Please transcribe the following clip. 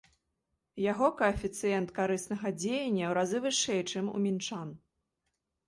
Яго каэфіцыент карыснага дзеяння ў разы вышэй, чым у мінчан.